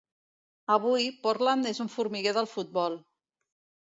Avui, Portland és un formiguer del futbol.